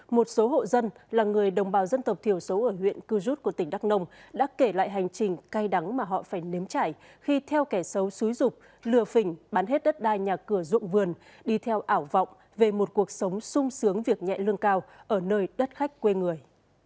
một số hộ dân là người đồng bào dân tộc thiểu số ở huyện cư rút của tỉnh đắk nông đã kể lại hành trình cay đắng mà họ phải nếm trải khi theo kẻ xấu xúi rục lừa phình bán hết đất đai nhà cửa dụng vườn đi theo ảo vọng về một cuộc sống sung sướng việc nhẹ lương cao ở nơi đất khách quê người